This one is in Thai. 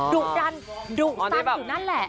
ดุดันดุดันอยู่นั่นแหละ